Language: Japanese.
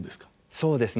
そうですね。